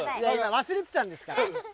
忘れてたんですから。